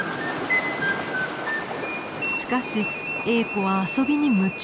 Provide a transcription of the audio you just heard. しかしエーコは遊びに夢中。